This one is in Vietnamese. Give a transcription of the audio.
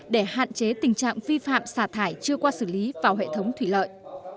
để hạn chế tình trạng vi phạm xả thải chưa qua xử lý vào hệ thống thủy lợi